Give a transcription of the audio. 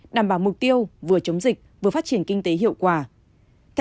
đảm bảo mục tiêu vừa chống dịch vừa phát triển kinh tế hiệu quả